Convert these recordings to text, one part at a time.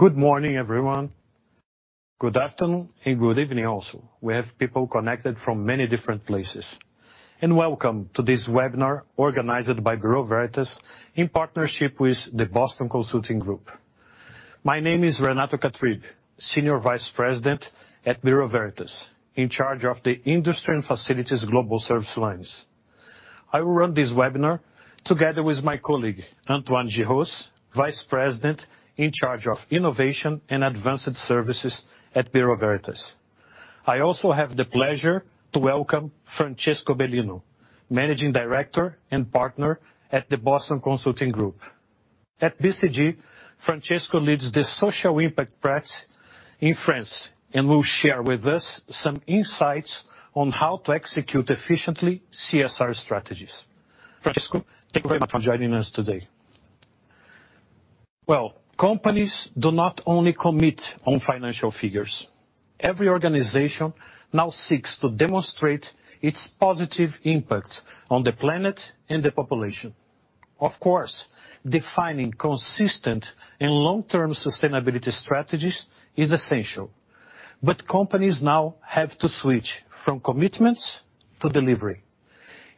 Good morning, everyone. Good afternoon, and good evening also. We have people connected from many different places. Welcome to this webinar organized by Bureau Veritas in partnership with the Boston Consulting Group. My name is Renato Catrib, Senior Vice President at Bureau Veritas, in charge of the industry and facilities global service lines. I will run this webinar together with my colleague, Antoine Giros, Vice President in charge of innovation and advanced services at Bureau Veritas. I also have the pleasure to welcome Francesco Bellino, Managing Director and Partner at the Boston Consulting Group. At BCG, Francesco leads the social impact practice in France and will share with us some insights on how to execute efficiently CSR strategies. Francesco, thank you very much for joining us today. Well, companies do not only commit on financial figures. Every organization now seeks to demonstrate its positive impact on the planet and the population. Of course, defining consistent and long-term sustainability strategies is essential, but companies now have to switch from commitments to delivery.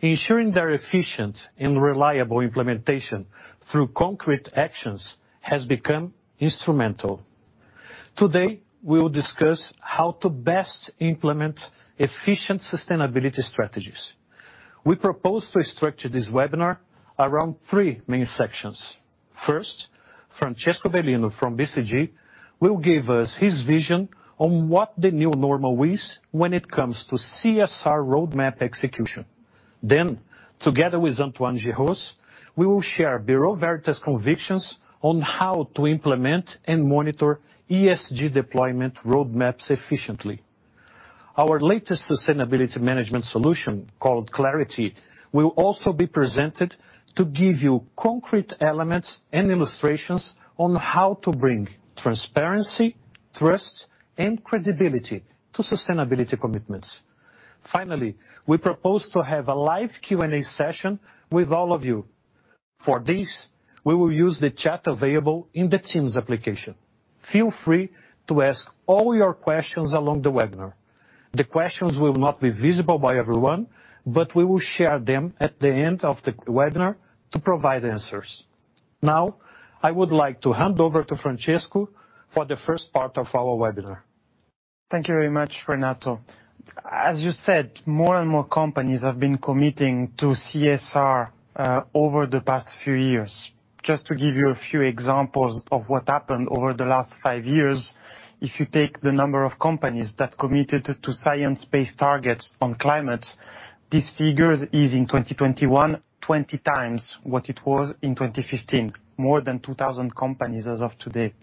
Ensuring their efficient and reliable implementation through concrete actions has become instrumental. Today, we will discuss how to best implement efficient sustainability strategies. We propose to structure this webinar around three main sections. First, Francesco Bellino from BCG will give us his vision on what the new normal is when it comes to CSR roadmap execution. Then, together with Antoine Giros, we will share Bureau Veritas convictions on how to implement and monitor ESG deployment roadmaps efficiently. Our latest sustainability management solution called Clarity will also be presented to give you concrete elements and illustrations on how to bring transparency, trust and credibility to sustainability commitments. Finally, we propose to have a live Q&A session with all of you. For this, we will use the chat available in the Teams application. Feel free to ask all your questions along the webinar. The questions will not be visible by everyone, but we will share them at the end of the webinar to provide answers. Now, I would like to hand over to Francesco for the first part of our webinar. Thank you very much, Renato. As you said, more and more companies have been committing to CSR over the past few years. Just to give you a few examples of what happened over the last five years, if you take the number of companies that committed to science-based targets on climate, this figure is in 2021, 20 times what it was in 2015, more than 2,000 companies as of today.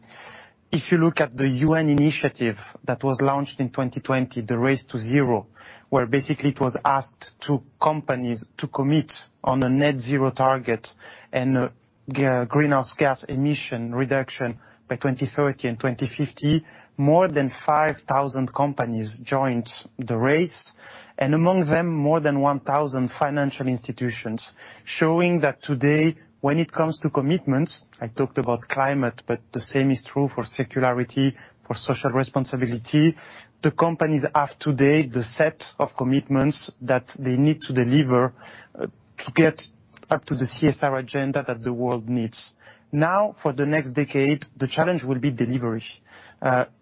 If you look at the UN initiative that was launched in 2020, the Race to Zero, where basically it was asked to companies to commit on a net zero target and greenhouse gas emission reduction by 2030 and 2050. More than 5,000 companies joined the race, and among them, more than 1,000 financial institutions. Showing that today when it comes to commitments, I talked about climate, but the same is true for sustainability, for social responsibility. The companies have today the set of commitments that they need to deliver to get up to the CSR agenda that the world needs. Now, for the next decade, the challenge will be delivery.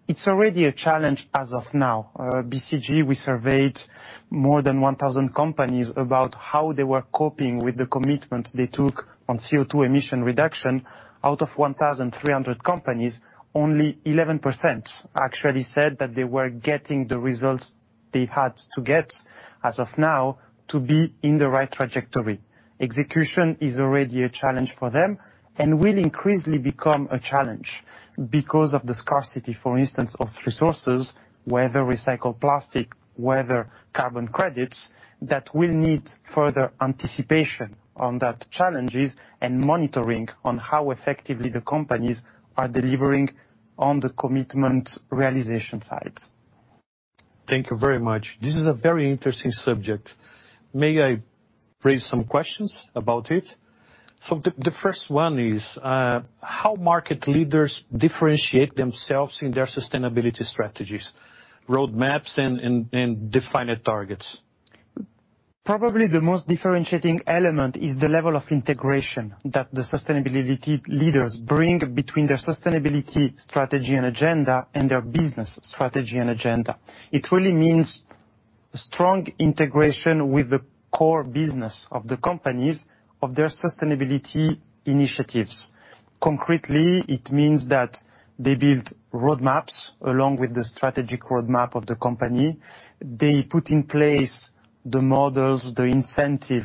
It's already a challenge as of now. BCG, we surveyed more than 1,000 companies about how they were coping with the commitment they took on CO2 emission reduction. Out of 1,300 companies, only 11% actually said that they were getting the results they had to get as of now to be in the right trajectory. Execution is already a challenge for them and will increasingly become a challenge because of the scarcity, for instance, of resources, whether recycled plastic, whether carbon credits, that will need further anticipation on those challenges and monitoring on how effectively the companies are delivering on the commitment realization side. Thank you very much. This is a very interesting subject. May I raise some questions about it? The first one is, how market leaders differentiate themselves in their sustainability strategies, roadmaps and defined targets? Probably the most differentiating element is the level of integration that the sustainability leaders bring between their sustainability strategy and agenda and their business strategy and agenda. It really means strong integration with the core business of the companies of their sustainability initiatives. Concretely, it means that they build roadmaps along with the strategic roadmap of the company. They put in place the models, the incentive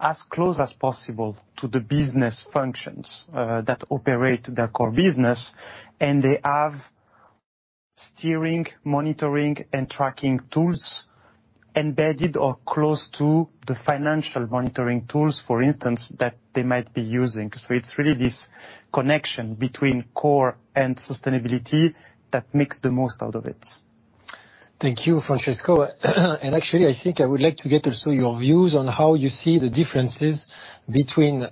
as close as possible to the business functions, that operate their core business. They have steering, monitoring, and tracking tools embedded or close to the financial monitoring tools, for instance, that they might be using. It's really this connection between core and sustainability that makes the most out of it. Thank you, Francesco. Actually, I think I would like to get also your views on how you see the differences between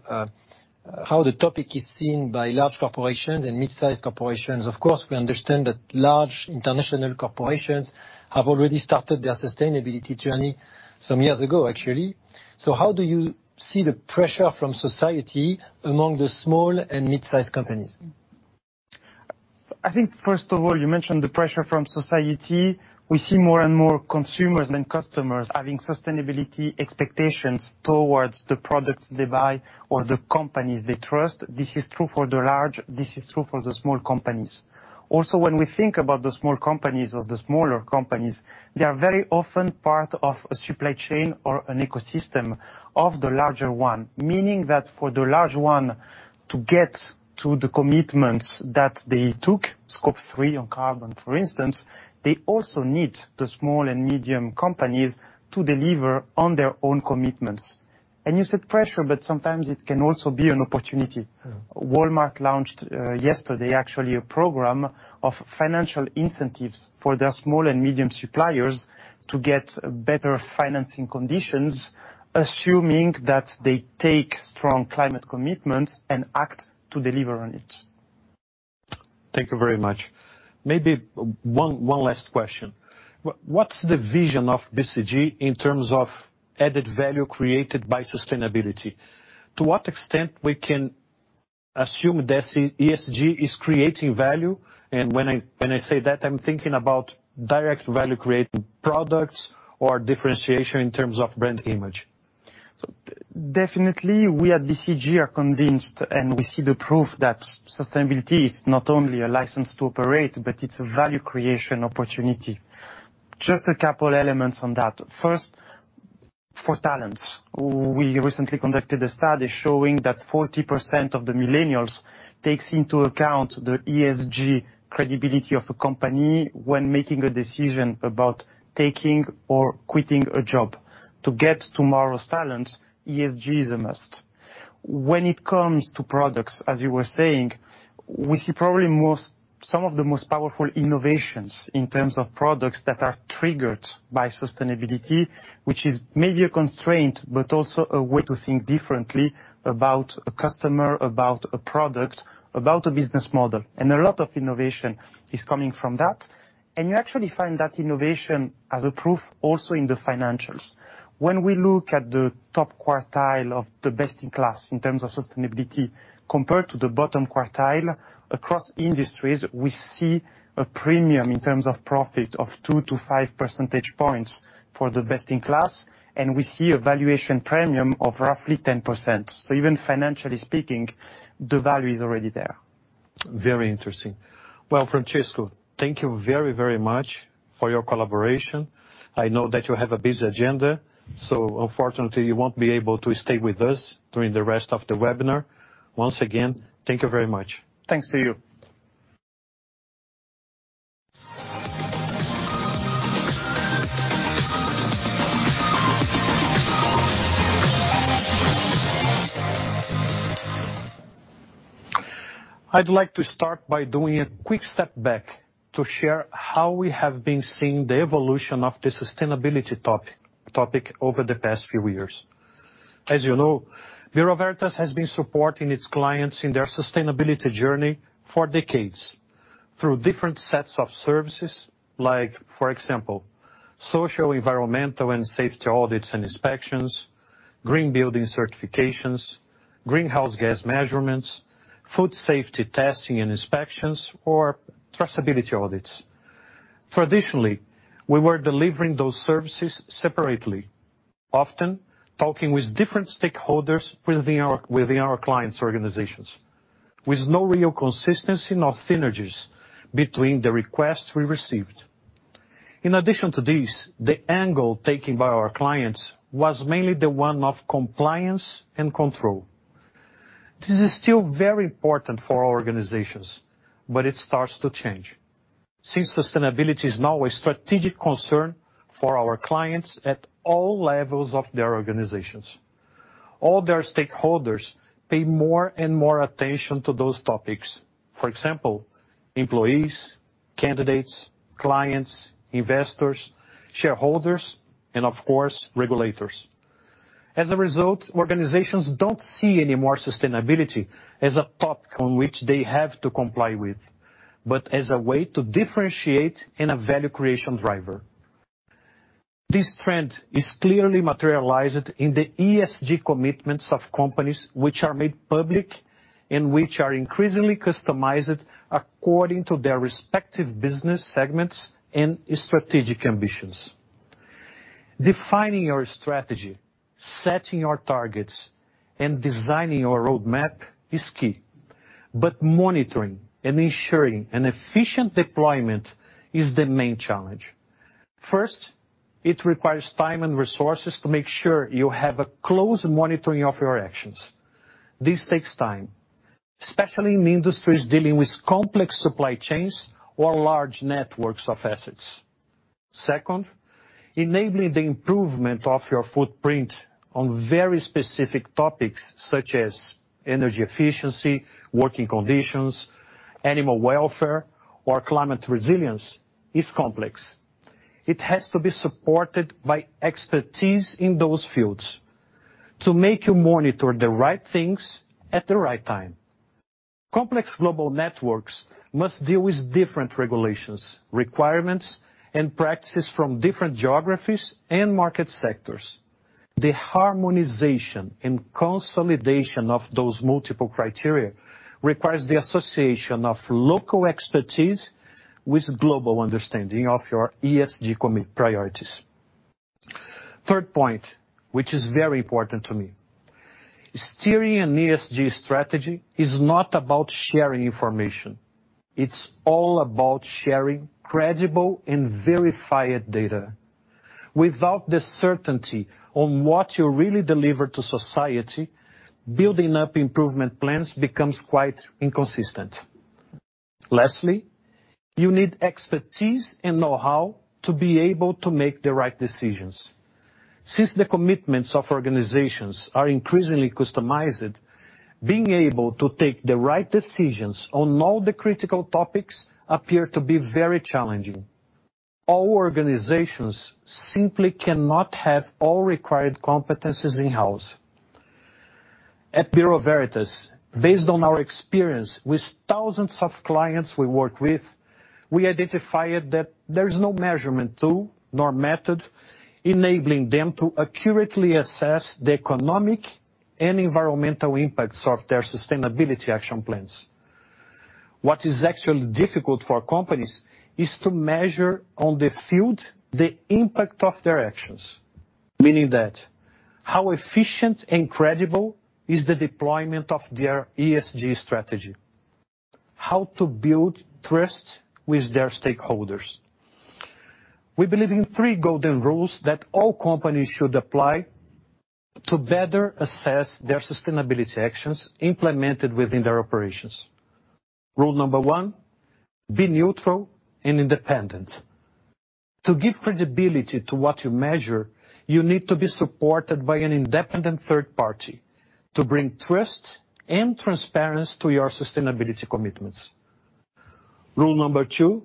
how the topic is seen by large corporations and mid-size corporations. Of course, we understand that large international corporations have already started their sustainability journey some years ago, actually. How do you see the pressure from society among the small and mid-sized companies? I think first of all, you mentioned the pressure from society. We see more and more consumers and customers having sustainability expectations towards the products they buy or the companies they trust. This is true for the large, this is true for the small companies. Also, when we think about the small companies or the smaller companies, they are very often part of a supply chain or an ecosystem of the larger one. Meaning that for the large one to get to the commitments that they took, Scope 3 on carbon, for instance, they also need the small and medium companies to deliver on their own commitments. You said pressure, but sometimes it can also be an opportunity. Mm. Walmart launched yesterday a program of financial incentives for their small and medium suppliers to get better financing conditions, assuming that they take strong climate commitments and act to deliver on it. Thank you very much. Maybe one last question. What's the vision of BCG in terms of added value created by sustainability? To what extent we can assume ESG is creating value? When I say that, I'm thinking about direct value-creating products or differentiation in terms of brand image. Definitely we at BCG are convinced, and we see the proof that sustainability is not only a license to operate, but it's a value creation opportunity. Just a couple elements on that. First, for talents. We recently conducted a study showing that 40% of the millennials takes into account the ESG credibility of a company when making a decision about taking or quitting a job. To get tomorrow's talents, ESG is a must. When it comes to products, as you were saying, we see probably some of the most powerful innovations in terms of products that are triggered by sustainability, which is maybe a constraint, but also a way to think differently about a customer, about a product, about a business model. A lot of innovation is coming from that. You actually find that innovation as a proof also in the financials. When we look at the top quartile of the best-in-class in terms of sustainability compared to the bottom quartile across industries, we see a premium in terms of profit of 2-5 percentage points for the best-in-class, and we see a valuation premium of roughly 10%. Even financially speaking, the value is already there. Very interesting. Well, Francesco, thank you very, very much for your collaboration. I know that you have a busy agenda, so unfortunately, you won't be able to stay with us during the rest of the webinar. Once again, thank you very much. Thanks to you. I'd like to start by doing a quick step back to share how we have been seeing the evolution of the sustainability top-topic over the past few years. As you know, Bureau Veritas has been supporting its clients in their sustainability journey for decades through different sets of services like, for example, social, environmental, and safety audits and inspections, green building certifications, greenhouse gas measurements, food safety testing and inspections, or traceability audits. Traditionally, we were delivering those services separately, often talking with different stakeholders within our clients' organizations, with no real consistency nor synergies between the requests we received. In addition to this, the angle taken by our clients was mainly the one of compliance and control. This is still very important for our organizations, but it starts to change. Since sustainability is now a strategic concern for our clients at all levels of their organizations, all their stakeholders pay more and more attention to those topics. For example, employees, candidates, clients, investors, shareholders, and of course, regulators. As a result, organizations don't see any more sustainability as a topic on which they have to comply with, but as a way to differentiate in a value creation driver. This trend is clearly materialized in the ESG commitments of companies which are made public and which are increasingly customized according to their respective business segments and strategic ambitions. Defining your strategy, setting your targets, and designing your roadmap is key. But monitoring and ensuring an efficient deployment is the main challenge. First, it requires time and resources to make sure you have a close monitoring of your actions. This takes time, especially in industries dealing with complex supply chains or large networks of assets. Second, enabling the improvement of your footprint on very specific topics such as energy efficiency, working conditions, animal welfare, or climate resilience is complex. It has to be supported by expertise in those fields to make you monitor the right things at the right time. Complex global networks must deal with different regulations, requirements, and practices from different geographies and market sectors. The harmonization and consolidation of those multiple criteria requires the association of local expertise with global understanding of your ESG commitment priorities. Third point, which is very important to me, steering an ESG strategy is not about sharing information. It's all about sharing credible and verified data. Without the certainty on what you really deliver to society, building up improvement plans becomes quite inconsistent. Lastly, you need expertise and know-how to be able to make the right decisions. Since the commitments of organizations are increasingly customized, being able to take the right decisions on all the critical topics appear to be very challenging. All organizations simply cannot have all required competencies in-house. At Bureau Veritas, based on our experience with thousands of clients we work with, we identified that there's no measurement tool nor method enabling them to accurately assess the economic and environmental impacts of their sustainability action plans. What is actually difficult for companies is to measure in the field the impact of their actions, meaning that how efficient and credible is the deployment of their ESG strategy, how to build trust with their stakeholders. We believe in three golden rules that all companies should apply to better assess their sustainability actions implemented within their operations. Rule number one, be neutral and independent. To give credibility to what you measure, you need to be supported by an independent third party to bring trust and transparency to your sustainability commitments. Rule number two,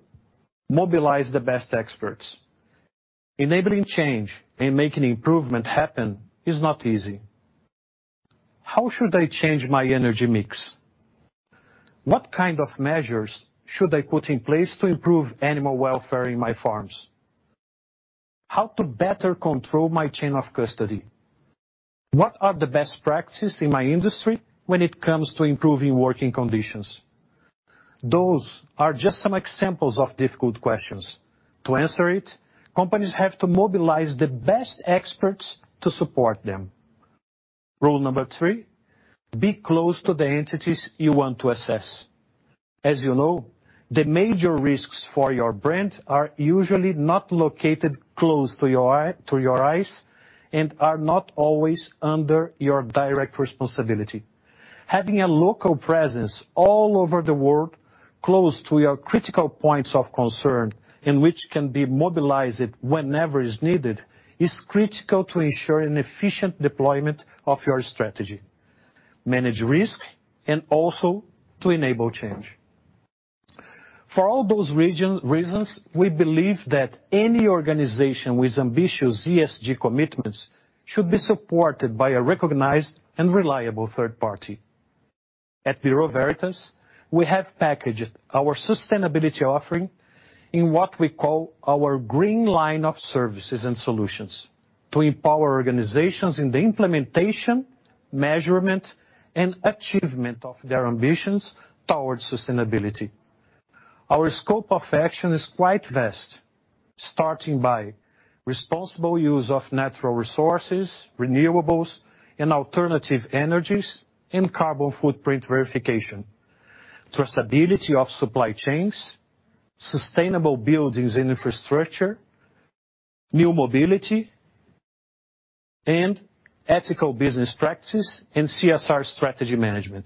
mobilize the best experts. Enabling change and making improvement happen is not easy. How should I change my energy mix? What kind of measures should I put in place to improve animal welfare in my farms? How to better control my chain of custody? What are the best practices in my industry when it comes to improving working conditions? Those are just some examples of difficult questions. To answer it, companies have to mobilize the best experts to support them. Rule number three, be close to the entities you want to assess. As you know, the major risks for your brand are usually not located close to your eyes, and are not always under your direct responsibility. Having a local presence all over the world, close to your critical points of concern, and which can be mobilized whenever is needed, is critical to ensure an efficient deployment of your strategy, manage risk, and also to enable change. For all those reasons, we believe that any organization with ambitious ESG commitments should be supported by a recognized and reliable third party. At Bureau Veritas, we have packaged our sustainability offering in what we call our green line of services and solutions to empower organizations in the implementation, measurement, and achievement of their ambitions towards sustainability. Our scope of action is quite vast, starting by responsible use of natural resources, renewables, and alternative energies, and carbon footprint verification, traceability of supply chains, sustainable buildings and infrastructure, new mobility, and ethical business practices, and CSR strategy management.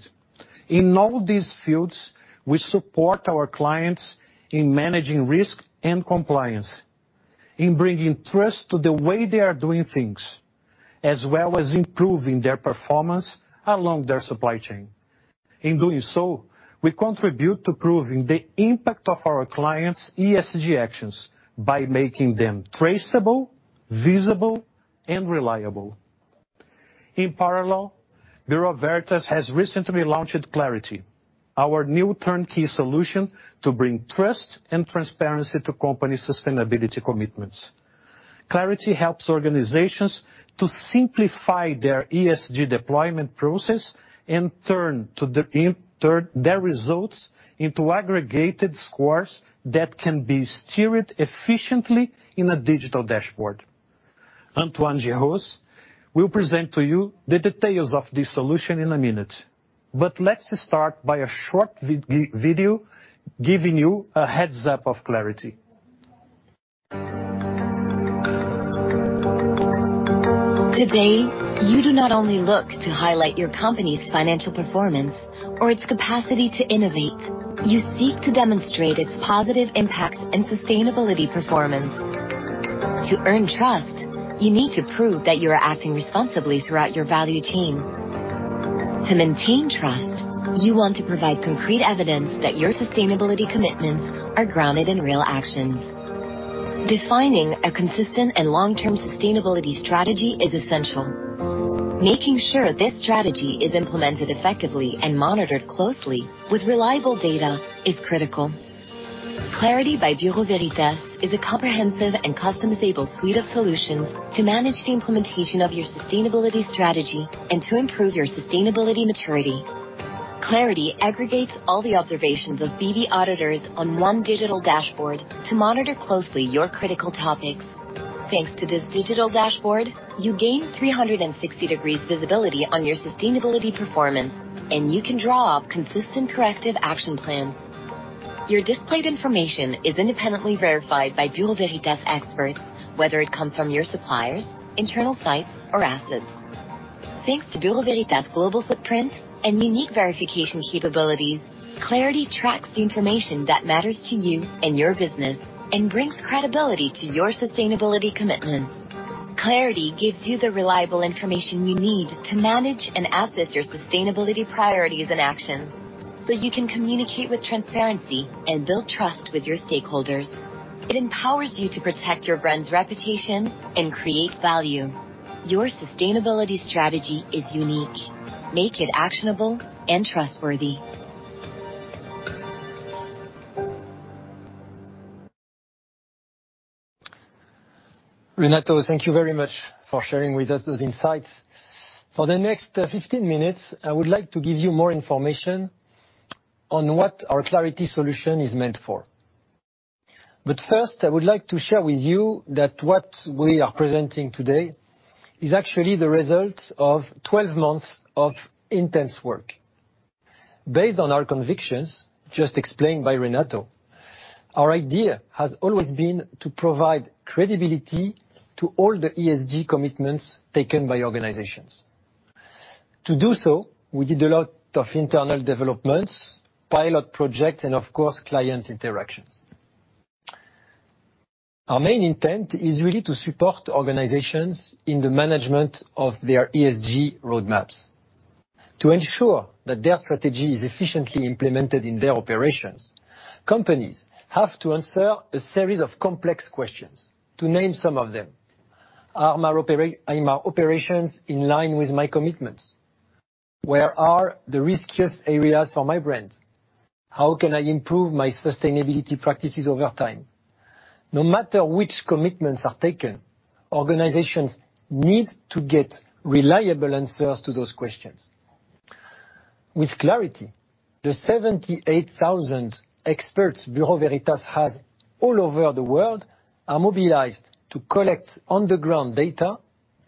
In all these fields, we support our clients in managing risk and compliance, in bringing trust to the way they are doing things, as well as improving their performance along their supply chain. In doing so, we contribute to proving the impact of our clients' ESG actions by making them traceable, visible, and reliable. In parallel, Bureau Veritas has recently launched Clarity, our new turnkey solution to bring trust and transparency to companies' sustainability commitments. Clarity helps organizations to simplify their ESG deployment process and, in turn their results into aggregated scores that can be steered efficiently in a digital dashboard. Antoine Giros will present to you the details of this solution in a minute. Let's start by a short video giving you a heads-up of Clarity. Today, you do not only look to highlight your company's financial performance or its capacity to innovate. You seek to demonstrate its positive impact and sustainability performance. To earn trust, you need to prove that you are acting responsibly throughout your value chain. To maintain trust, you want to provide concrete evidence that your sustainability commitments are grounded in real actions. Defining a consistent and long-term sustainability strategy is essential. Making sure this strategy is implemented effectively and monitored closely with reliable data is critical. Clarity by Bureau Veritas is a comprehensive and customizable suite of solutions to manage the implementation of your sustainability strategy and to improve your sustainability maturity. Clarity aggregates all the observations of BV auditors on one digital dashboard to monitor closely your critical topics. Thanks to this digital dashboard, you gain 360-degree visibility on your sustainability performance, and you can draw consistent corrective action plans. Your displayed information is independently verified by Bureau Veritas experts, whether it comes from your suppliers, internal sites or assets. Thanks to Bureau Veritas' global footprint and unique verification capabilities, Clarity tracks the information that matters to you and your business and brings credibility to your sustainability commitments. Clarity gives you the reliable information you need to manage and assess your sustainability priorities and actions so you can communicate with transparency and build trust with your stakeholders. It empowers you to protect your brand's reputation and create value. Your sustainability strategy is unique. Make it actionable and trustworthy. Renato, thank you very much for sharing with us those insights. For the next 15 minutes, I would like to give you more information on what our Clarity solution is meant for. First, I would like to share with you that what we are presenting today is actually the result of 12 months of intense work. Based on our convictions just explained by Renato, our idea has always been to provide credibility to all the ESG commitments taken by organizations. To do so, we did a lot of internal developments, pilot projects and of course, client interactions. Our main intent is really to support organizations in the management of their ESG roadmaps. To ensure that their strategy is efficiently implemented in their operations, companies have to answer a series of complex questions. To name some of them, are my operations in line with my commitments? Where are the riskiest areas for my brand? How can I improve my sustainability practices over time? No matter which commitments are taken, organizations need to get reliable answers to those questions. With Clarity, the 78,000 experts Bureau Veritas has all over the world are mobilized to collect on-the-ground data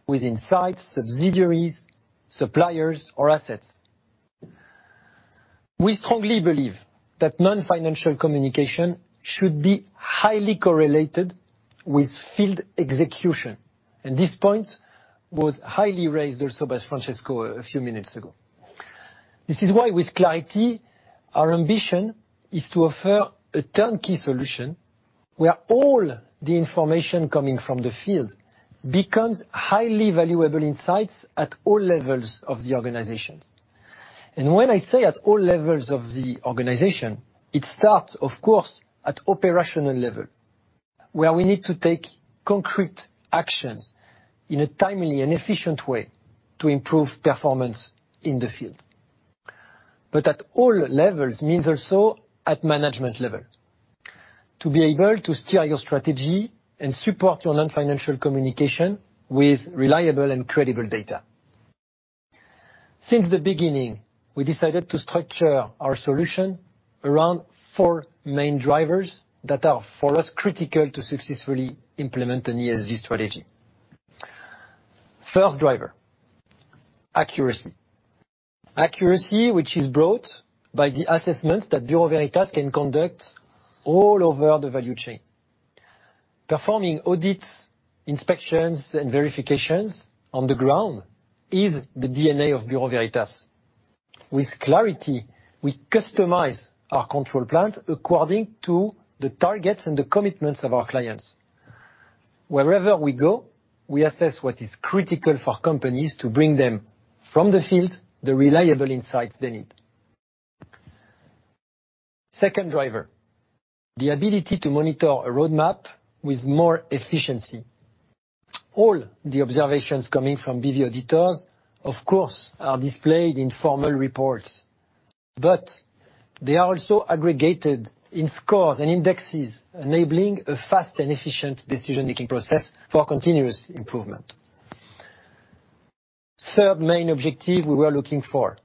within sites, subsidiaries, suppliers or assets. We strongly believe that non-financial communication should be highly correlated with field execution, and this point was highly raised also by Francesco a few minutes ago. This is why with Clarity, our ambition is to offer a turnkey solution where all the information coming from the field becomes highly valuable insights at all levels of the organizations. When I say at all levels of the organization, it starts, of course, at operational level, where we need to take concrete actions in a timely and efficient way to improve performance in the field. At all levels means also at management level, to be able to steer your strategy and support your non-financial communication with reliable and credible data. Since the beginning, we decided to structure our solution around four main drivers that are, for us, critical to successfully implement an ESG strategy. First driver, accuracy. Accuracy, which is brought by the assessment that Bureau Veritas can conduct all over the value chain. Performing audits, inspections, and verifications on the ground is the DNA of Bureau Veritas. With Clarity, we customize our control plans according to the targets and the commitments of our clients. Wherever we go, we assess what is critical for companies to bring them from the field, the reliable insights they need. Second driver, the ability to monitor a roadmap with more efficiency. All the observations coming from BV auditors, of course, are displayed in formal reports, but they are also aggregated in scores and indexes, enabling a fast and efficient decision-making process for continuous improvement. Third main objective we were looking for,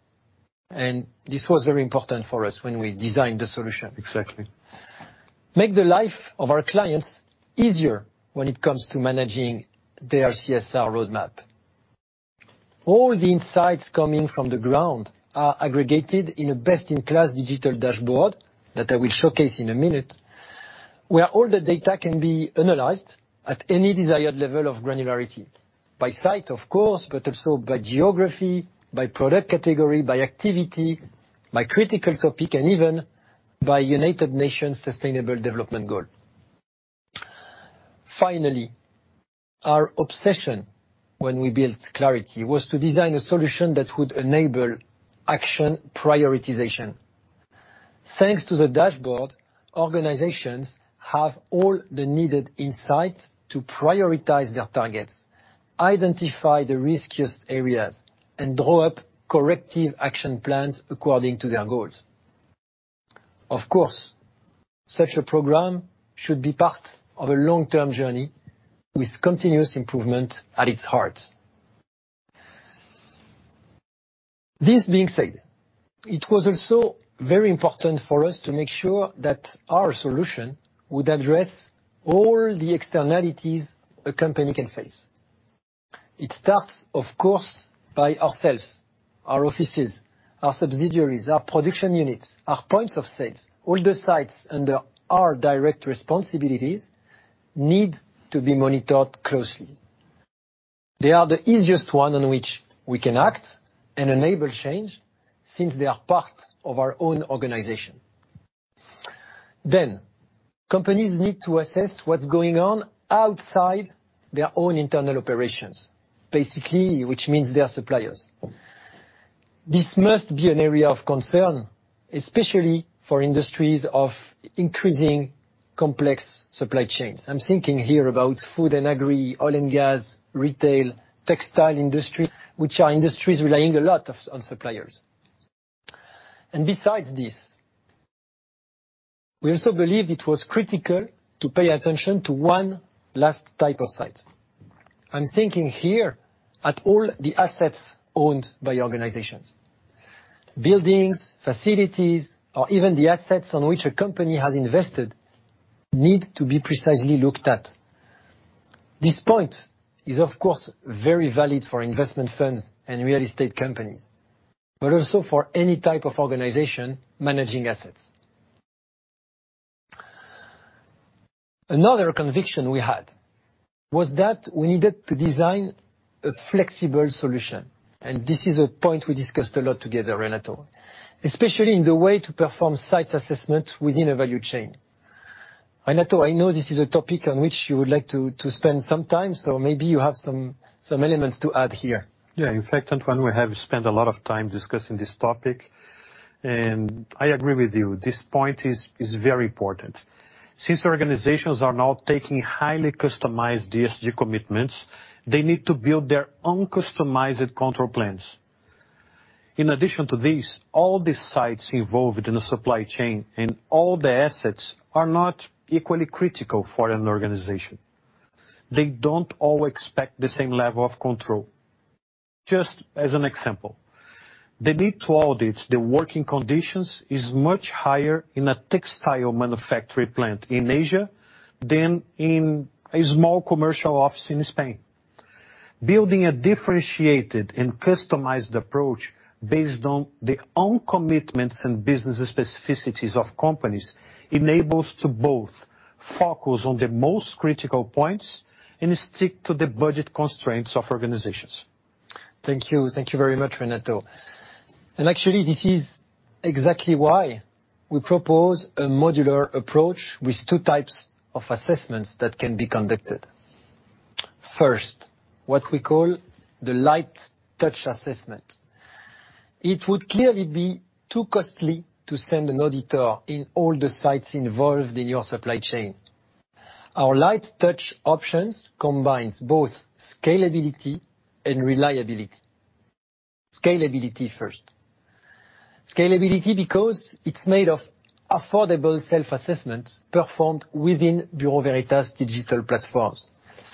and this was very important for us when we designed the solution. Exactly. Make the life of our clients easier when it comes to managing their CSR roadmap. All the insights coming from the ground are aggregated in a best-in-class digital dashboard that I will showcase in a minute, where all the data can be analyzed at any desired level of granularity. By site, of course, but also by geography, by product category, by activity, by critical topic, and even by United Nations Sustainable Development Goals. Finally, our obsession when we built Clarity was to design a solution that would enable action prioritization. Thanks to the dashboard, organizations have all the needed insights to prioritize their targets, identify the riskiest areas, and draw up corrective action plans according to their goals. Of course, such a program should be part of a long-term journey with continuous improvement at its heart. This being said, it was also very important for us to make sure that our solution would address all the externalities a company can face. It starts, of course, by ourselves, our offices, our subsidiaries, our production units, our points of sales. All the sites under our direct responsibilities need to be monitored closely. They are the easiest one in which we can act and enable change since they are part of our own organization. Companies need to assess what's going on outside their own internal operations, basically, which means their suppliers. This must be an area of concern, especially for industries of increasingly complex supply chains. I'm thinking here about food and agri, oil and gas, retail, textile industry, which are industries relying a lot on suppliers. Besides this, we also believed it was critical to pay attention to one last type of site. I'm thinking here at all the assets owned by organizations. Buildings, facilities, or even the assets on which a company has invested need to be precisely looked at. This point is, of course, very valid for investment funds and real estate companies, but also for any type of organization managing assets. Another conviction we had was that we needed to design a flexible solution, and this is a point we discussed a lot together, Renato. Especially in the way to perform site assessment within a value chain. Renato, I know this is a topic on which you would like to spend some time, so maybe you have some elements to add here. Yeah. In fact, Antoine, we have spent a lot of time discussing this topic, and I agree with you. This point is very important. Since organizations are now taking highly customized ESG commitments, they need to build their own customized control plans. In addition to this, all the sites involved in a supply chain and all the assets are not equally critical for an organization. They don't all expect the same level of control. Just as an example, the need to audit the working conditions is much higher in a textile manufacturing plant in Asia than in a small commercial office in Spain. Building a differentiated and customized approach based on their own commitments and business specificities of companies enables to both focus on the most critical points and stick to the budget constraints of organizations. Thank you. Thank you very much, Renato. Actually, this is exactly why we propose a modular approach with two types of assessments that can be conducted. First, what we call the light-touch assessment. It would clearly be too costly to send an auditor in all the sites involved in your supply chain. Our light-touch options combines both scalability and reliability. Scalability first. Scalability because it's made of affordable self-assessments performed within Bureau Veritas digital platforms.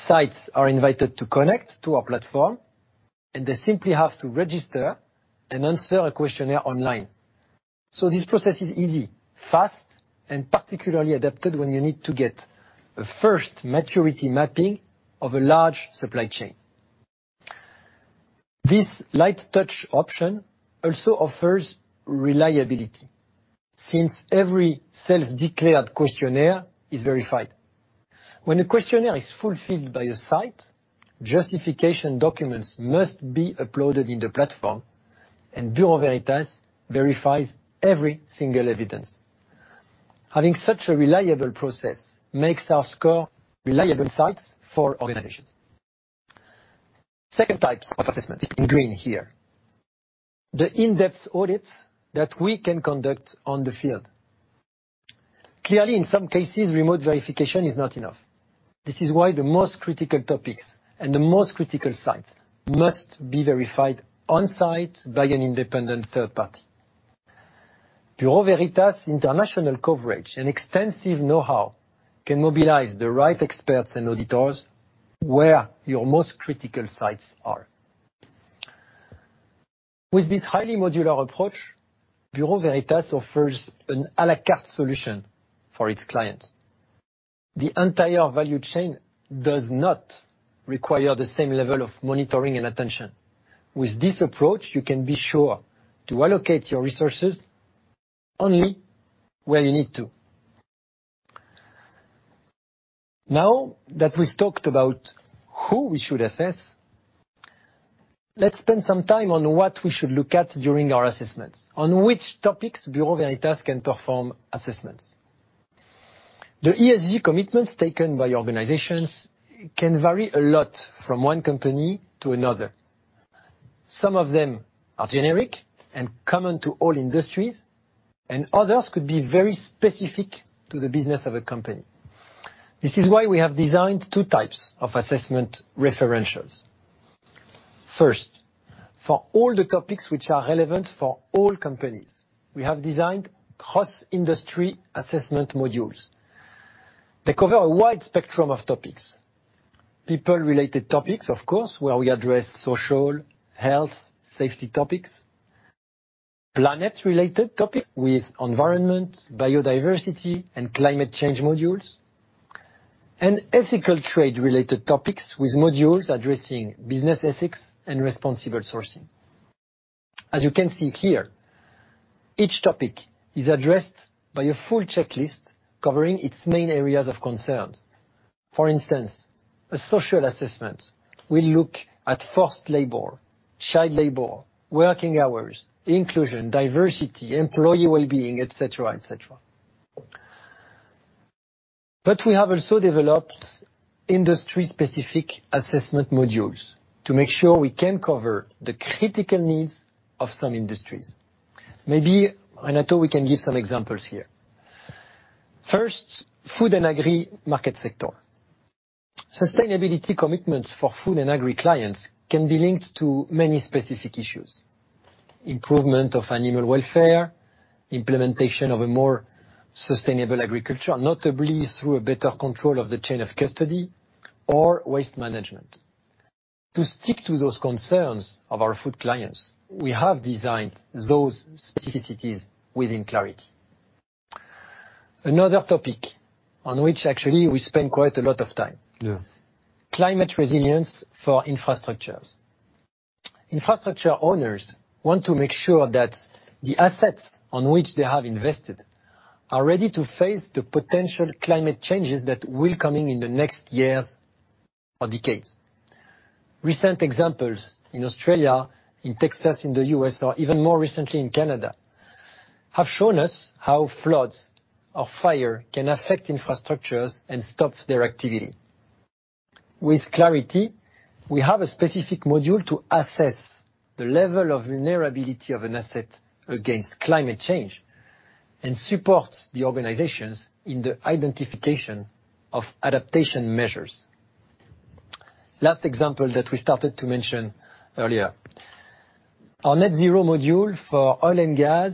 Sites are invited to connect to our platform, and they simply have to register and answer a questionnaire online. This process is easy, fast, and particularly adapted when you need to get a first maturity mapping of a large supply chain. This light-touch option also offers reliability since every self-declared questionnaire is verified. When a questionnaire is fulfilled by a site, justification documents must be uploaded in the platform, and Bureau Veritas verifies every single evidence. Having such a reliable process makes our scores reliable for sites of organizations. Second type of assessment in green here, the in-depth audits that we can conduct in the field. Clearly, in some cases, remote verification is not enough. This is why the most critical topics and the most critical sites must be verified on site by an independent third party. Bureau Veritas' international coverage and extensive know-how can mobilize the right experts and auditors where your most critical sites are. With this highly modular approach, Bureau Veritas offers an à la carte solution for its clients. The entire value chain does not require the same level of monitoring and attention. With this approach, you can be sure to allocate your resources only where you need to. Now that we've talked about who we should assess, let's spend some time on what we should look at during our assessments, on which topics Bureau Veritas can perform assessments. The ESG commitments taken by organizations can vary a lot from one company to another. Some of them are generic and common to all industries, and others could be very specific to the business of a company. This is why we have designed two types of assessment referentials. First, for all the topics which are relevant for all companies, we have designed cross-industry assessment modules. They cover a wide spectrum of topics. People-related topics, of course, where we address social, health, safety topics. Planet-related topics with environment, biodiversity, and climate change modules. And ethical trade-related topics with modules addressing business ethics and responsible sourcing. As you can see here, each topic is addressed by a full checklist covering its main areas of concerns. For instance, a social assessment will look at forced labor, child labor, working hours, inclusion, diversity, employee well-being, et cetera, et cetera. We have also developed industry-specific assessment modules to make sure we can cover the critical needs of some industries. Maybe, Renato, we can give some examples here. First, food and agri market sector. Sustainability commitments for food and agri clients can be linked to many specific issues. Improvement of animal welfare, implementation of a more sustainable agriculture, notably through a better control of the chain of custody or waste management. To stick to those concerns of our food clients, we have designed those specificities within Clarity. Another topic on which actually we spend quite a lot of time. Yeah. Climate resilience for infrastructures. Infrastructure owners want to make sure that the assets on which they have invested are ready to face the potential climate changes that will be coming in the next years or decades. Recent examples in Australia, in Texas, in the U.S., or even more recently in Canada, have shown us how floods or fires can affect infrastructures and stop their activity. With Clarity, we have a specific module to assess the level of vulnerability of an asset against climate change and supports the organizations in the identification of adaptation measures. Last example that we started to mention earlier, our net zero module for oil and gas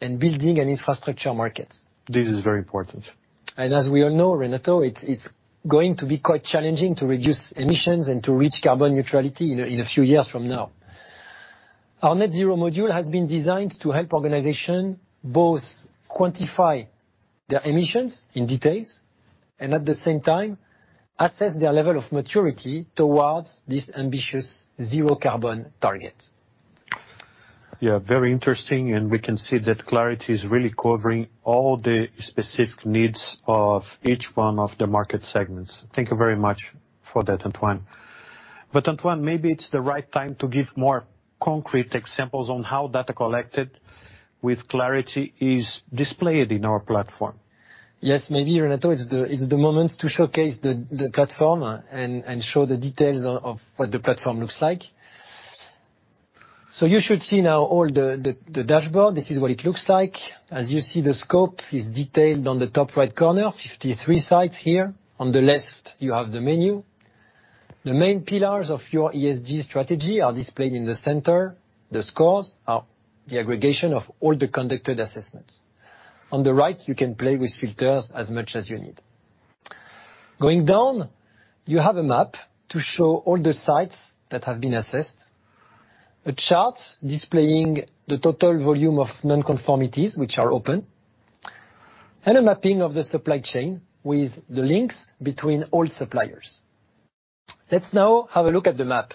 and building and infrastructure markets. This is very important. As we all know, Renato, it's going to be quite challenging to reduce emissions and to reach carbon neutrality in a few years from now. Our net zero module has been designed to help organization both quantify their emissions in details and at the same time, assess their level of maturity towards this ambitious zero carbon target. Yeah, very interesting, we can see that Clarity is really covering all the specific needs of each one of the market segments. Thank you very much for that, Antoine. Antoine, maybe it's the right time to give more concrete examples on how data collected with Clarity is displayed in our platform. Yes. Maybe, Renato, it's the moment to showcase the platform and show the details of what the platform looks like. You should see now all the dashboard. This is what it looks like. As you see, the scope is detailed on the top right corner, 53 sites here. On the left, you have the menu. The main pillars of your ESG strategy are displayed in the center. The scores are the aggregation of all the conducted assessments. On the right, you can play with filters as much as you need. Going down, you have a map to show all the sites that have been assessed, a chart displaying the total volume of non-conformities which are open, and a mapping of the supply chain with the links between all suppliers. Let's now have a look at the map.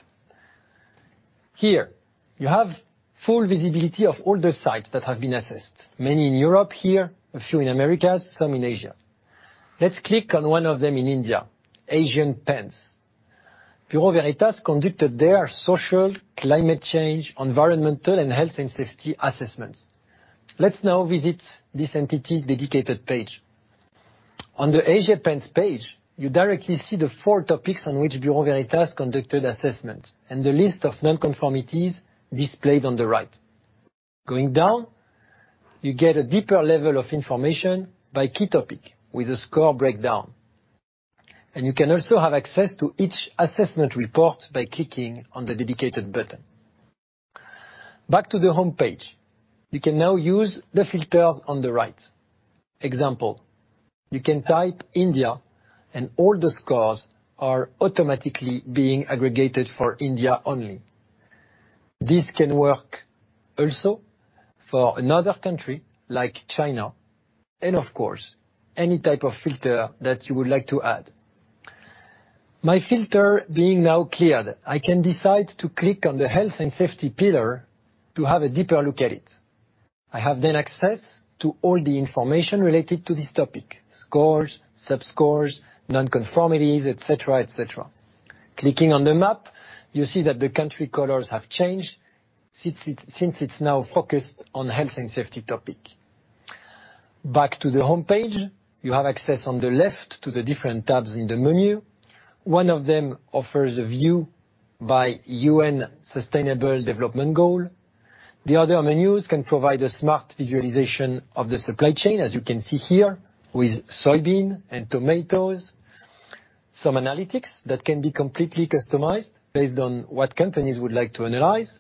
Here, you have full visibility of all the sites that have been assessed. Many in Europe here, a few in Americas, some in Asia. Let's click on one of them in India, Asian Paints. Bureau Veritas conducted their social, climate change, environmental, and health and safety assessments. Let's now visit this entity's dedicated page. On the Asian Paints page, you directly see the four topics on which Bureau Veritas conducted assessment and the list of non-conformities displayed on the right. Going down, you get a deeper level of information by key topic with a score breakdown. You can also have access to each assessment report by clicking on the dedicated button. Back to the homepage. You can now use the filters on the right. Example. You can type India, and all the scores are automatically being aggregated for India only. This can work also for another country like China and of course, any type of filter that you would like to add. My filter being now cleared, I can decide to click on the health and safety pillar to have a deeper look at it. I have then access to all the information related to this topic, scores, sub-scores, non-conformities, et cetera, et cetera. Clicking on the map, you see that the country colors have changed since it's now focused on health and safety topic. Back to the home page, you have access on the left to the different tabs in the menu. One of them offers a view by UN Sustainable Development Goal. The other menus can provide a smart visualization of the supply chain, as you can see here, with soybean and tomatoes. Some analytics that can be completely customized based on what companies would like to analyze.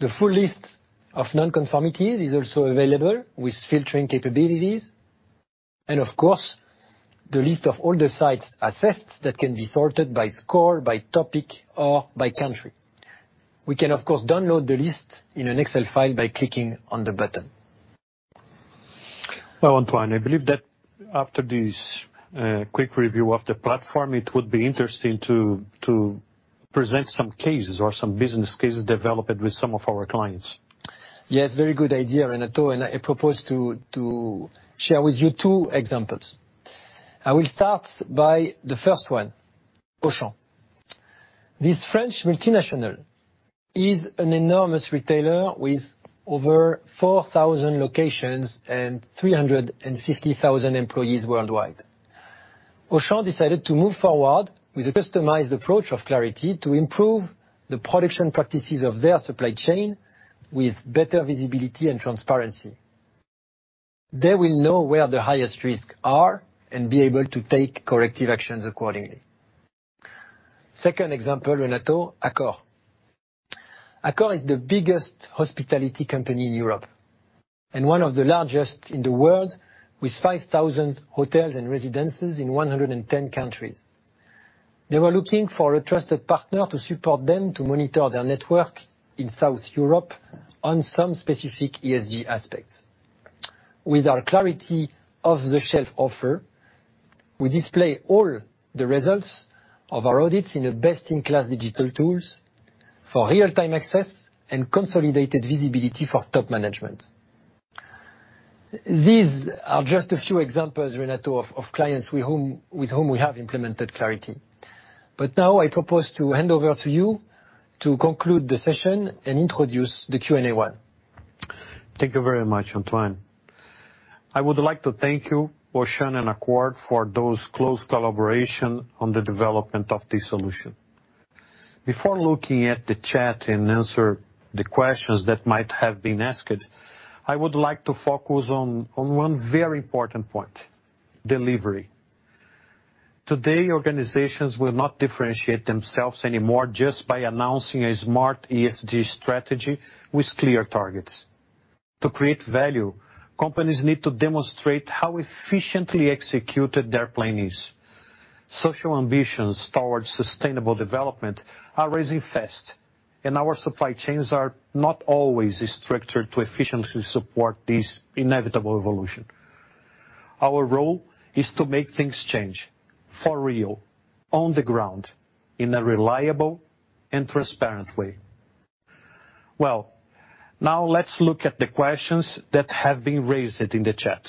The full list of non-conformities is also available with filtering capabilities, and of course, the list of all the sites assessed that can be sorted by score, by topic, or by country. We can of course, download the list in an Excel file by clicking on the button. Well, Antoine, I believe that after this quick review of the platform, it would be interesting to present some cases or some business cases developed with some of our clients. Yes, very good idea, Renato, and I propose to share with you two examples. I will start by the first one, Auchan. This French multinational is an enormous retailer with over 4,000 locations and 350,000 employees worldwide. Auchan decided to move forward with a customized approach of Clarity to improve the production practices of their supply chain with better visibility and transparency. They will know where the highest risks are and be able to take corrective actions accordingly. Second example, Renato, Accor. Accor is the biggest hospitality company in Europe, and one of the largest in the world, with 5,000 hotels and residences in 110 countries. They were looking for a trusted partner to support them to monitor their network in South Europe on some specific ESG aspects. With our Clarity off-the-shelf offer, we display all the results of our audits in a best-in-class digital tools for real-time access and consolidated visibility for top management. These are just a few examples, Renato, of clients with whom we have implemented Clarity. Now I propose to hand over to you to conclude the session and introduce the Q&A one. Thank you very much, Antoine. I would like to thank you, Auchan and Accor for that close collaboration on the development of this solution. Before looking at the chat and answering the questions that might have been asked, I would like to focus on one very important point, delivery. Today, organizations will not differentiate themselves anymore just by announcing a smart ESG strategy with clear targets. To create value, companies need to demonstrate how efficiently executed their plan is. Social ambitions towards sustainable development are rising fast, and our supply chains are not always structured to efficiently support this inevitable evolution. Our role is to make things change for real on the ground in a reliable and transparent way. Well, now let's look at the questions that have been raised in the chat.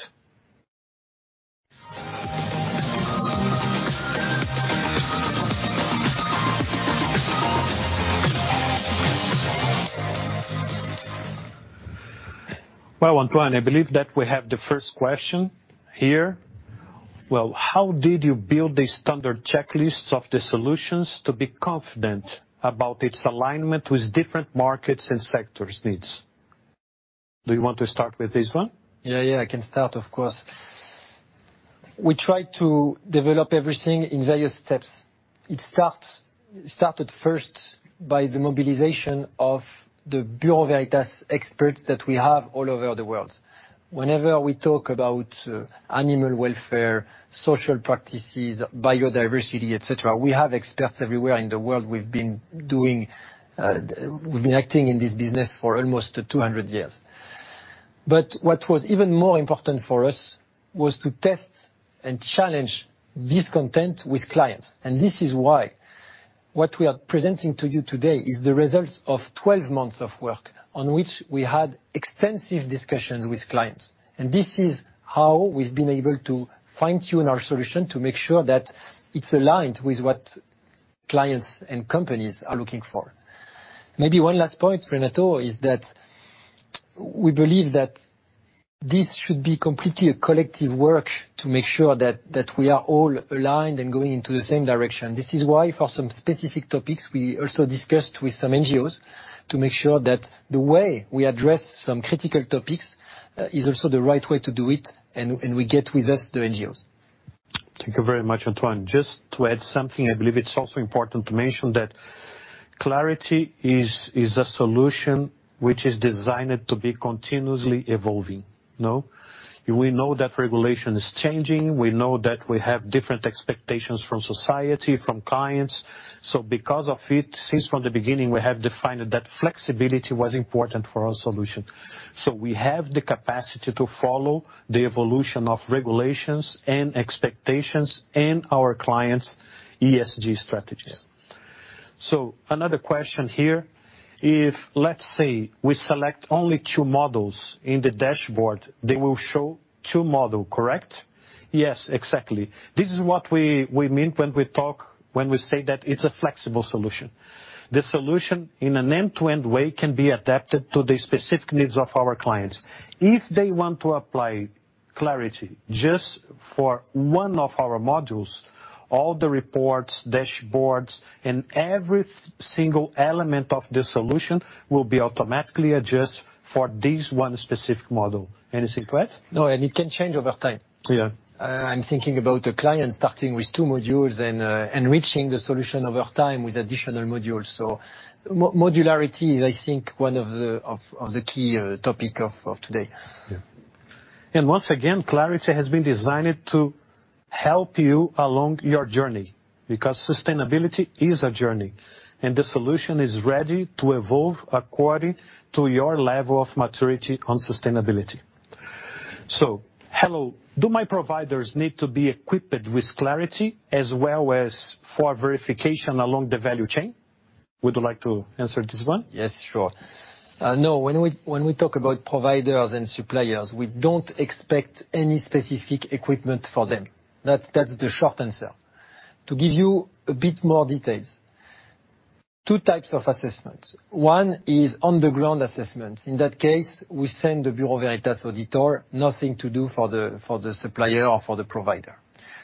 Well, Antoine, I believe that we have the first question here. Well, how did you build the standard checklists of the solutions to be confident about its alignment with different markets and sectors needs? Do you want to start with this one? Yeah, yeah, I can start, of course. We try to develop everything in various steps. It started first by the mobilization of the Bureau Veritas experts that we have all over the world. Whenever we talk about animal welfare, social practices, biodiversity, et cetera, we have experts everywhere in the world. We've been acting in this business for almost 200 years. What was even more important for us was to test and challenge this content with clients, and this is why what we are presenting to you today is the results of 12 months of work on which we had extensive discussions with clients. This is how we've been able to fine-tune our solution to make sure that it's aligned with what clients and companies are looking for. Maybe one last point, Renato, is that we believe that this should be completely a collective work to make sure that we are all aligned and going into the same direction. This is why for some specific topics, we also discussed with some NGOs to make sure that the way we address some critical topics is also the right way to do it, and we get with us the NGOs. Thank you very much, Antoine. Just to add something, I believe it's also important to mention that Clarity is a solution which is designed to be continuously evolving. No? We know that regulation is changing. We know that we have different expectations from society, from clients. Because of it, since from the beginning, we have defined that flexibility was important for our solution. We have the capacity to follow the evolution of regulations and expectations and our clients' ESG strategies. Yeah. Another question here. If, let's say, we select only two models in the dashboard, they will show two models, correct? Yes, exactly. This is what we mean when we say that it's a flexible solution. The solution, in an end-to-end way, can be adapted to the specific needs of our clients. If they want to apply Clarity just for one of our modules, all the reports, dashboards, and every single element of the solution will be automatically adjust for this one specific model. Anything to add? No, it can change over time. Yeah. I'm thinking about a client starting with two modules and enriching the solution over time with additional modules. Modularity is, I think, one of the key topic of today. Yeah. Once again, Clarity has been designed to help you along your journey, because sustainability is a journey, and the solution is ready to evolve according to your level of maturity on sustainability. Hello, do my providers need to be equipped with Clarity as well as for verification along the value chain? Would you like to answer this one? Yes, sure. No. When we talk about providers and suppliers, we don't expect any specific equipment for them. That's the short answer. To give you a bit more details, two types of assessments. One is on-the-ground assessments. In that case, we send the Bureau Veritas auditor. Nothing to do for the supplier or for the provider.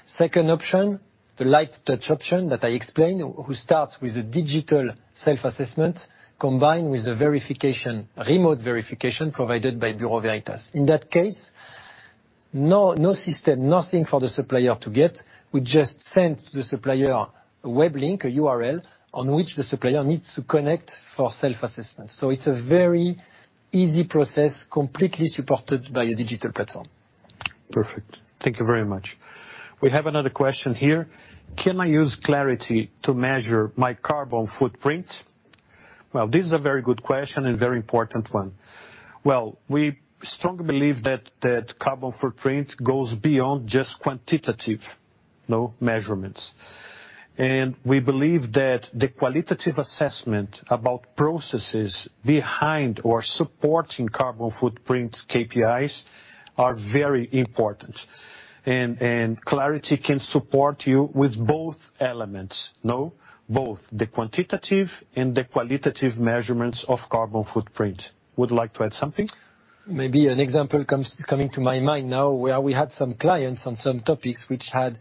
Second option, the light touch option that I explained, who starts with a digital self-assessment combined with the verification, remote verification provided by Bureau Veritas. In that case, no system, nothing for the supplier to get. We just sent the supplier a web link, a URL, on which the supplier needs to connect for self-assessment. It's a very easy process, completely supported by a digital platform. Perfect. Thank you very much. We have another question here. Can I use Clarity to measure my carbon footprint? Well, this is a very good question and very important one. Well, we strongly believe that carbon footprint goes beyond just quantitative, no, measurements. We believe that the qualitative assessment about processes behind or supporting carbon footprint KPIs are very important and Clarity can support you with both elements, no? Both the quantitative and the qualitative measurements of carbon footprint. Would like to add something? Maybe an example comes to my mind now, where we had some clients on some topics which had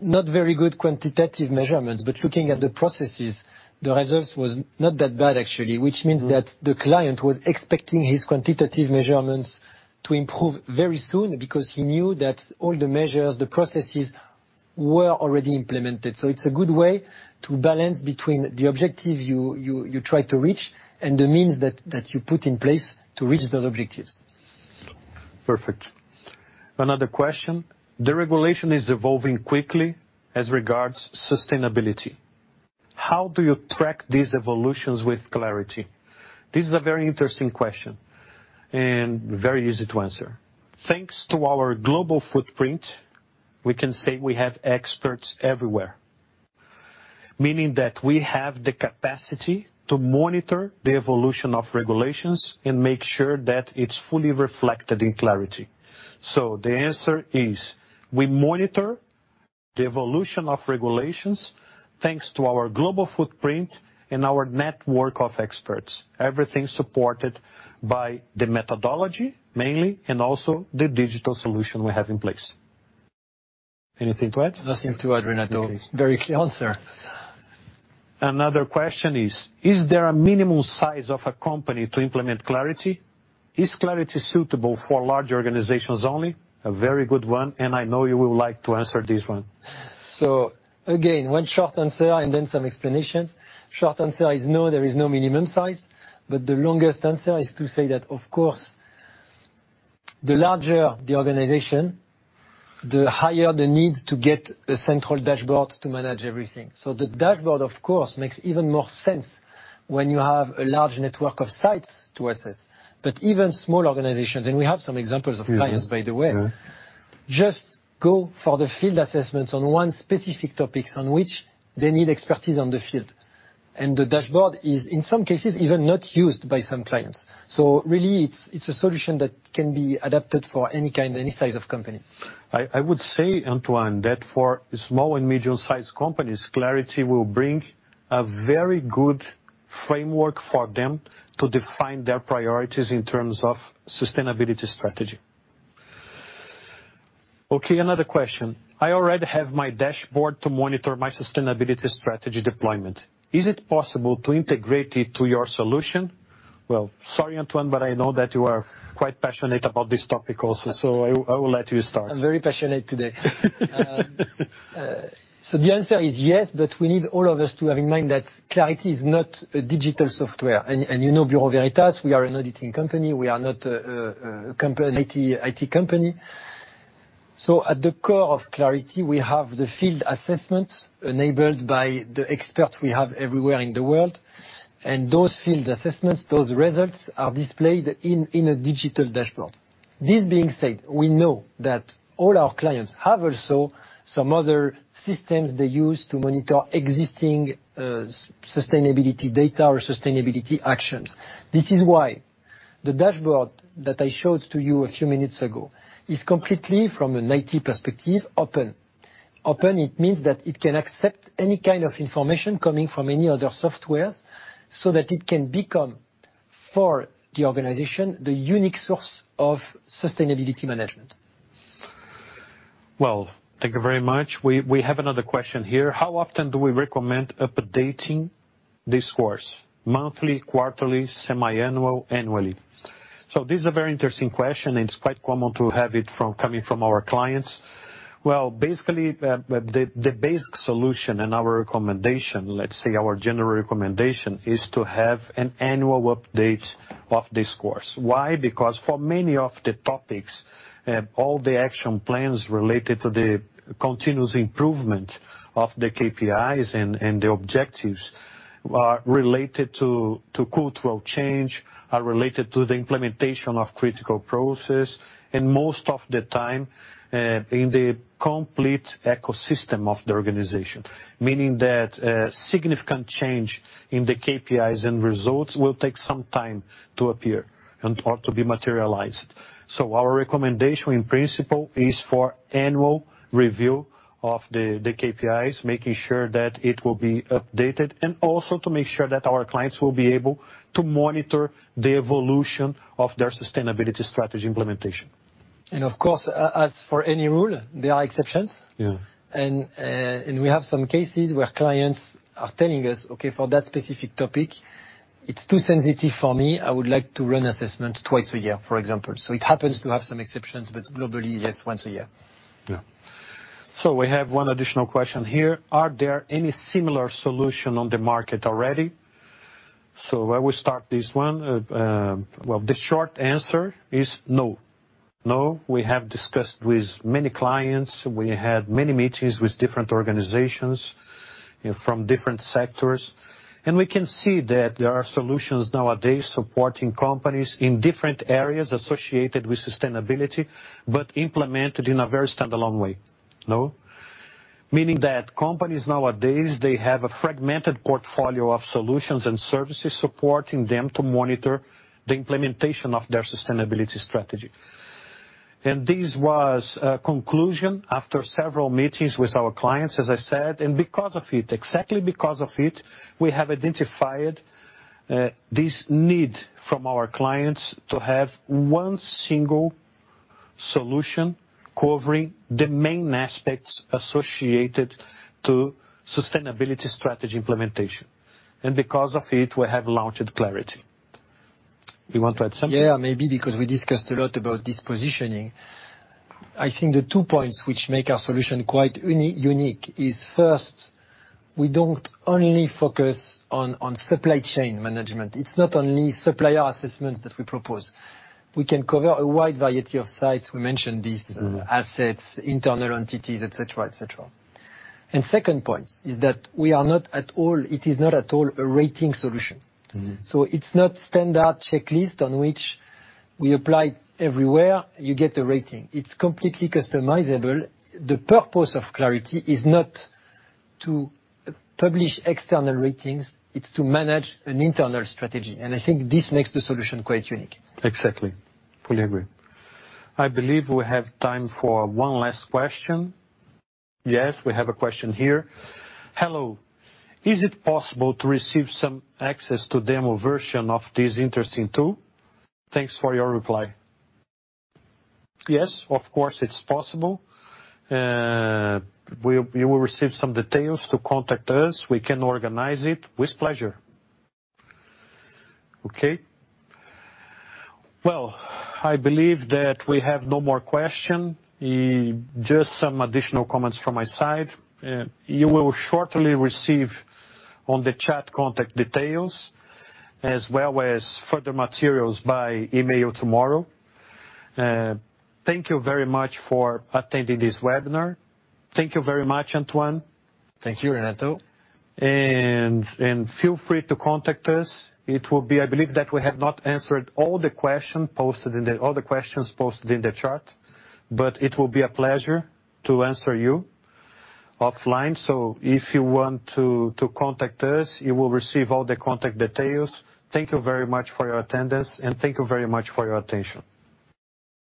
not very good quantitative measurements, but looking at the processes, the results was not that bad, actually, which means that the client was expecting his quantitative measurements to improve very soon because he knew that all the measures, the processes were already implemented. It's a good way to balance between the objective you try to reach and the means that you put in place to reach those objectives. Perfect. Another question. The regulation is evolving quickly as regards sustainability. How do you track these evolutions with Clarity? This is a very interesting question and very easy to answer. Thanks to our global footprint, we can say we have experts everywhere, meaning that we have the capacity to monitor the evolution of regulations and make sure that it's fully reflected in Clarity. The answer is we monitor the evolution of regulations thanks to our global footprint and our network of experts, everything supported by the methodology mainly, and also the digital solution we have in place. Anything to add? Nothing to add, Renato. Okay. Very clear answer. Another question is there a minimum size of a company to implement Clarity? Is Clarity suitable for large organizations only? A very good one, and I know you would like to answer this one. Again, one short answer and then some explanations. Short answer is no, there is no minimum size. The longest answer is to say that of course, the larger the organization, the higher the need to get a central dashboard to manage everything. The dashboard, of course, makes even more sense when you have a large network of sites to assess. Even small organizations, and we have some examples of clients, by the way. Mm-hmm Just go for the field assessments on one specific topics on which they need expertise on the field. The dashboard is, in some cases, even not used by some clients. Really, it's a solution that can be adapted for any kind, any size of company. I would say, Antoine, that for small and medium-sized companies, Clarity will bring a very good framework for them to define their priorities in terms of sustainability strategy. Okay, another question. I already have my dashboard to monitor my sustainability strategy deployment. Is it possible to integrate it to your solution? Well, sorry, Antoine, but I know that you are quite passionate about this topic also, so I will let you start. I'm very passionate today. The answer is yes, but we need all of us to have in mind that Clarity is not a digital software. You know Bureau Veritas, we are an auditing company, we are not an IT company. At the core of Clarity, we have the field assessments enabled by the experts we have everywhere in the world, and those field assessments, those results are displayed in a digital dashboard. This being said, we know that all our clients have also some other systems they use to monitor existing sustainability data or sustainability actions. This is why the dashboard that I showed to you a few minutes ago is completely from an IT perspective open. Open, it means that it can accept any kind of information coming from any other software, so that it can become, for the organization, the unique source of sustainability management. Well, thank you very much. We have another question here. How often do we recommend updating this course? Monthly, quarterly, semi-annual, annually? This is a very interesting question, and it's quite common to have it coming from our clients. Well, basically, the base solution and our recommendation, let's say our general recommendation, is to have an annual update of this course. Why? Because for many of the topics, all the action plans related to the continuous improvement of the KPIs and the objectives are related to cultural change, are related to the implementation of critical process, and most of the time, in the complete ecosystem of the organization, meaning that a significant change in the KPIs and results will take some time to appear or to be materialized. Our recommendation in principle is for annual review of the KPIs, making sure that it will be updated, and also to make sure that our clients will be able to monitor the evolution of their sustainability strategy implementation. Of course, as for any rule, there are exceptions. Yeah. We have some cases where clients are telling us, "Okay, for that specific topic, it's too sensitive for me. I would like to run assessments twice a year," for example. It happens to have some exceptions, but globally, yes, once a year. Yeah. We have one additional question here. Are there any similar solution on the market already? Where we start this one, well, the short answer is no. We have discussed with many clients, we had many meetings with different organizations, you know, from different sectors, and we can see that there are solutions nowadays supporting companies in different areas associated with sustainability but implemented in a very standalone way. No? Meaning that companies nowadays, they have a fragmented portfolio of solutions and services supporting them to monitor the implementation of their sustainability strategy. This was a conclusion after several meetings with our clients, as I said. Because of it, exactly because of it, we have identified, this need from our clients to have one single solution covering the main aspects associated to sustainability strategy implementation. Because of it, we have launched Clarity. You want to add something? Yeah, maybe because we discussed a lot about this positioning. I think the two points which make our solution quite unique is first, we don't only focus on supply chain management. It's not only supplier assessments that we propose. We can cover a wide variety of sites. We mentioned these. Mm-hmm. assets, internal entities, et cetera. Second point is that it is not at all a rating solution. Mm-hmm. It's not standard checklist on which we apply everywhere, you get a rating. It's completely customizable. The purpose of Clarity is not to publish external ratings, it's to manage an internal strategy. I think this makes the solution quite unique. Exactly. Fully agree. I believe we have time for one last question. Yes, we have a question here. Hello. Is it possible to receive some access to demo version of this interesting tool? Thanks for your reply. Yes, of course it's possible. You will receive some details to contact us. We can organize it with pleasure. Okay. Well, I believe that we have no more questions. Just some additional comments from my side. You will shortly receive in the chat contact details as well as further materials by email tomorrow. Thank you very much for attending this webinar. Thank you very much, Antoine. Thank you, Renato. Feel free to contact us. I believe that we have not answered all the questions posted in the chat, but it will be a pleasure to answer you offline. If you want to contact us, you will receive all the contact details. Thank you very much for your attendance and thank you very much for your attention.